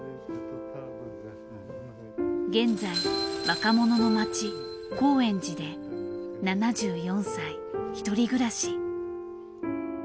現在若者の街高円寺で７４歳ひとり暮らし。